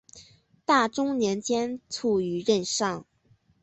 大中年间卒于任上。